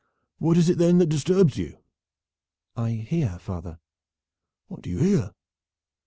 "What is it then that disturbs you?" "I hear, father." "What do you hear?"